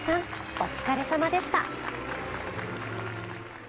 お疲れさまでした。